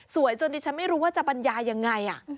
จนดิฉันไม่รู้ว่าจะบรรยายยังไง